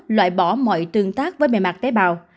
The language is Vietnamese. loại bỏ mọi tương tác với mềm mạc tế bào